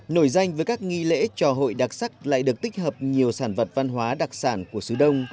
nổi danh với các nghi lễ trò hội đặc sắc lại được tích hợp nhiều sản vật văn hóa đặc sản của sứ đông